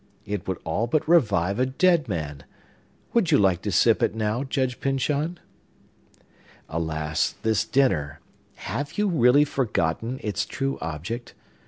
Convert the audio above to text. It would all but revive a dead man! Would you like to sip it now, Judge Pyncheon? Alas, this dinner. Have you really forgotten its true object?